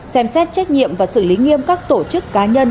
xem xét trách nhiệm và xử lý nghiêm các tổ chức cá nhân